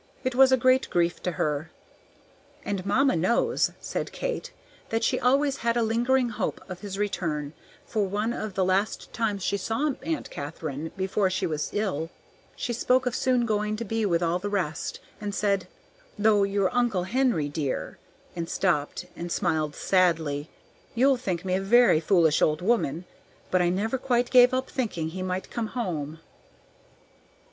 It was a great grief to her. "And mamma knows," said Kate, "that she always had a lingering hope of his return, for one of the last times she saw Aunt Katharine before she was ill she spoke of soon going to be with all the rest, and said, 'Though your Uncle Henry, dear,' and stopped and smiled sadly; 'you'll think me a very foolish old woman, but I never quite gave up thinking he might come home.'"